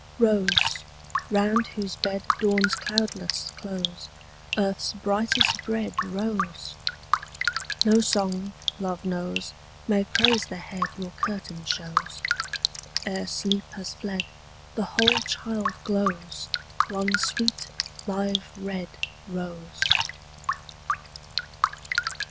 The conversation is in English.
Rose, round whose bed Dawn's cloudlets close, Earth's brightest bred Rose! No song, love knows, May praise the head Your curtain shows. Ere sleep has fled, The whole child glows One sweet live red Rose.